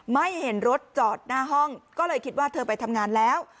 ไม่เห็นรถจอดหน้าห้องก็เลยคิดว่าเธอไปทำงานแล้ว